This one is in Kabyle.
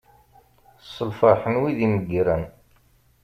S lferḥ n wid imeggren.